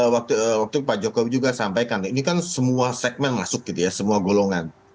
waktu pak jokowi juga sampaikan ini kan semua segmen masuk gitu ya semua golongan